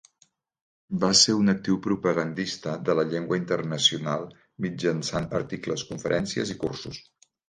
Va ser un actiu propagandista de la llengua internacional mitjançant articles, conferències i cursos.